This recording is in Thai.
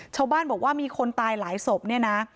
ชาวบ้านบอกว่ามีคนตายหลายศพเนี่ยนะ